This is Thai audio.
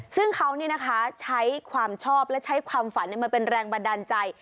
ซึ่งเขาใช้ความชอบและใช้ความฝันมาเป็นแรงบันดาลใจ